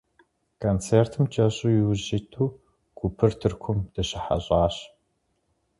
Концертым кӀэщӀу иужь иту, гупыр Тыркум дыщыхьэщӀащ.